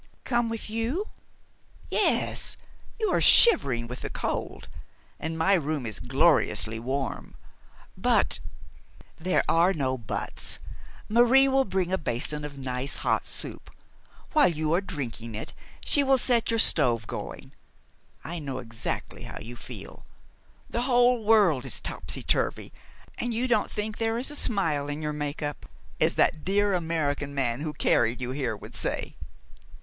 "Come with you?" "Yes, you are shivering with the cold, and my room is gloriously warm." "But " "There are no buts. Marie will bring a basin of nice hot soup. While you are drinking it she will set your stove going. I know exactly how you feel. The whole world is topsyturvy, and you don't think there is a smile in your make up, as that dear American man who carried you here would say."